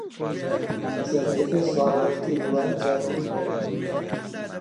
زیاتر لە پێنج ساڵە لەوەتەی دوایین جار ئەوم بینیوە.